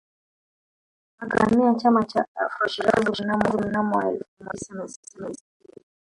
Akahamia Chama cha Afro Shirazi mnamo elfu moja mia tisa na sitini